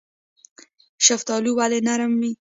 شفتالو ولې نرم وي؟